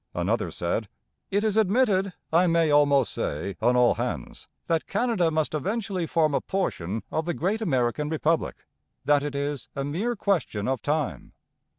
Another said: 'It is admitted, I may almost say, on all hands, that Canada must eventually form a portion of the Great American Republic that it is a mere question of time.'